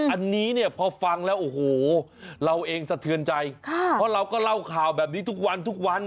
อันนี้เนี่ยพอฟังแล้วโอ้โหเราเองสะเทือนใจเพราะเราก็เล่าข่าวแบบนี้ทุกวันทุกวัน